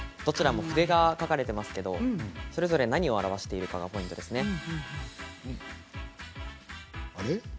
どちらも筆が描かれていますがそれぞれ何を表してるのがポイントですね。